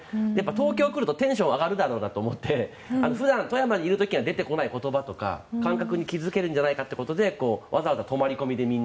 東京に来るとテンションが上がるだろうなと思って普段、富山にいる時は出てこない言葉とか感覚に気付けるんじゃないかということでわざわざみんな泊まり込みで。